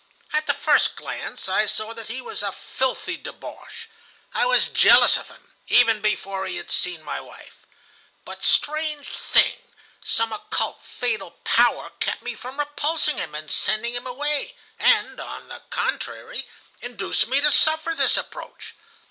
At the first glance I saw that he was a filthy débauché. I was jealous of him, even before he had seen my wife. But, strange thing! some occult fatal power kept me from repulsing him and sending him away, and, on the contrary, induced me to suffer this approach.